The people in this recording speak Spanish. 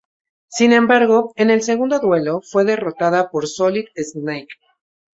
Sin embargo, en el segundo duelo, fue derrotada por Solid Snake.